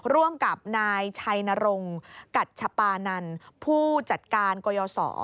ร่วมกับนายชัยนรงกัชปานันผู้จัดการกยศ